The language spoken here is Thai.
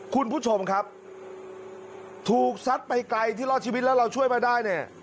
คุณผู้ชมครับถูกซัดไปไกลที่รอดชีวิตแล้วเราช่วยมาได้เนี่ย